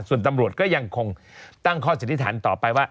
ส่วนตำรวจก็ยังคงตั้งข้อสันนิษฐานต่อไปว่า